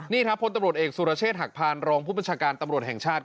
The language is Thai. นี่ครับพลตำรวจเอกสุรเชษฐหักพานรองผู้บัญชาการตำรวจแห่งชาติ